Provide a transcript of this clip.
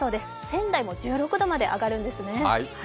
仙台も１６度まで上がるんですね。